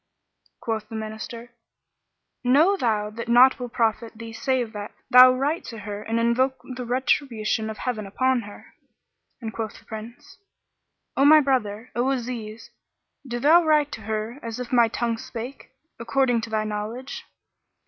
Quoth the Minister, "Know thou that naught will profit thee save that thou write to her and invoke the retribution of Heaven upon her." And quoth the Prince, "O my brother, O Aziz, do thou write to her as if my tongue spake, according to thy knowledge."